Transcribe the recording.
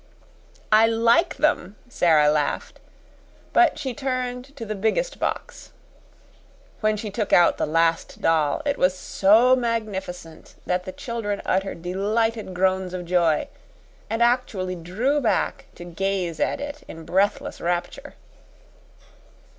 "I like them," Sara laughed, but she turned to the biggest box. When she took out the Last Doll it was so magnificent that the children uttered delighted groans of joy, and actually drew back to gaze at it in breathless rapture.